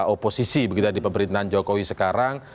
oposisi begitu di pemerintahan jokowi sekarang